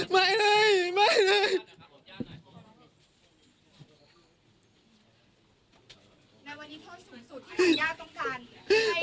ไม่เลยไม่เลย